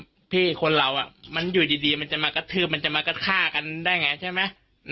พี่คนเรามันอยู่ดีมันจะมากระทืบมันจะมากระฆ่ากันได้ไงใช่ไหม